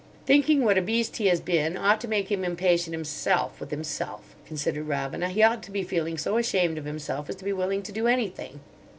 "Thinking what a beast he has been ought to make him impatient himself with himself," considered Robina. "He ought to be feeling so ashamed of himself as to be willing to do anything."